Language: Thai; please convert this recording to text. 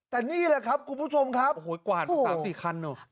แต่นี่แหละครับคุณผู้ชมครับโอ้โหกว่าหนึ่งสามสี่ขั้นอ่ะ